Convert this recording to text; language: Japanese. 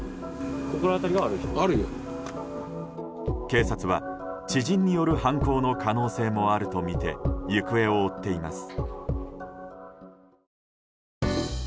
警察は、知人による犯行の可能性もあるとみて行方を追っています。